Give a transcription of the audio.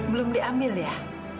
belum diambil ya